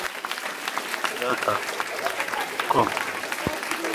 Bouchard has produced records for many other musicians, including Maria Excommunikata, Heads Up!